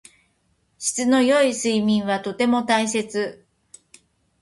質の良い睡眠はとても大切。